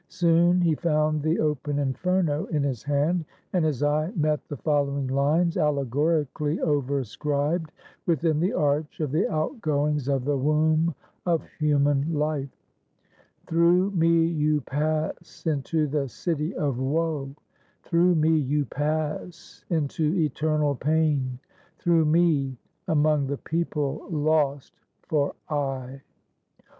Soon he found the open Inferno in his hand, and his eye met the following lines, allegorically overscribed within the arch of the outgoings of the womb of human life: "Through me you pass into the city of Woe; Through me you pass into eternal pain; Through me, among the people lost for aye.